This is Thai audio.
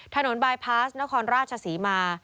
ถนนบายพลาสนครราชสีมา